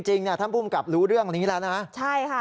จริงท่านผู้มกับรู้เรื่องอย่างนี้แล้วนะใช่ค่ะ